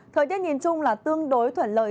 thời tiết nhìn chung là tương đối thuận lợi